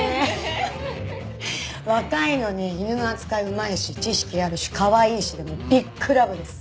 若いのに犬の扱いうまいし知識あるしかわいいしでもうビッグラブです。